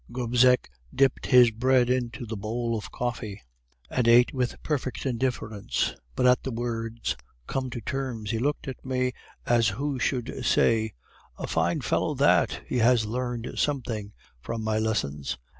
"Gobseck dipped his bread into the bowl of coffee, and ate with perfect indifference; but at the words 'come to terms,' he looked at me as who should say, 'A fine fellow that! he has learned something from my lessons!